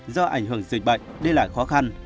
do ảnh hưởng dịch bệnh đi lại khó khăn